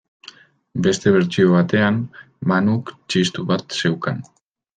Beste bertsio batean, Manuk txistu bat zeukan.